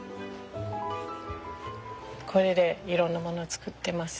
これでいろんなもの作ってます。